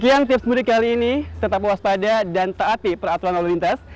dan tips mudik kali ini tetap waspada dan terhati peraturan lalu lintas